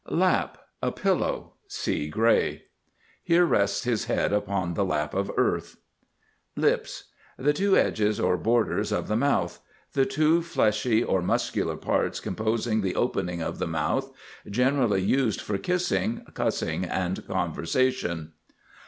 LAP. A pillow. See Gray. "Here rests his head upon the lap of earth." LIPS. The two edges or borders of the mouth; the two fleshy or muscular parts composing the opening of the mouth. Generally used for kissing, cussing, and conversation.